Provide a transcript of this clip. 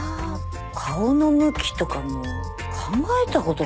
顔の向きとかもう考えたこともない。